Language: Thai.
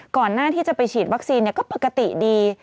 ก่อนหน้าที่จะไปฉีดวัคซีนก็ปกติดี